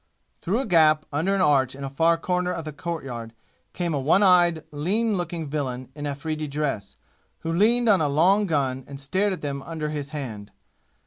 Through a gap under an arch in a far corner of the courtyard came a one eyed, lean looking villain in Afridi dress who leaned on a long gun and stared at them under his hand.